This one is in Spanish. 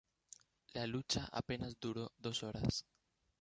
La lucha apenas duró dos horas.